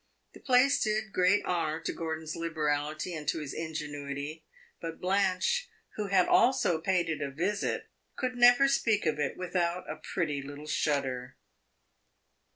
The place did great honor to Gordon's liberality and to his ingenuity; but Blanche, who had also paid it a visit, could never speak of it without a pretty little shudder.